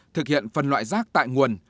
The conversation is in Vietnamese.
thực hiện phần loại rác tại nguồn